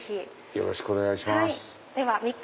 よろしくお願いします。